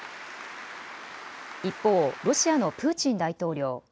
一方、ロシアのプーチン大統領。